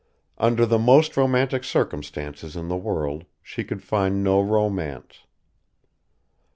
Under the most romantic circumstances in the world she could find no romance.